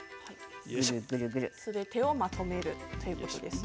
すべてをまとめるということですね。